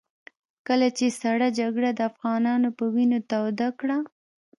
کله چې سړه جګړه د افغانانو په وينو توده کړه.